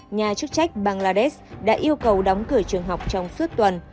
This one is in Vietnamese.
nhà chức trách bangladesh đã yêu cầu đóng cửa trường học trong suốt tuần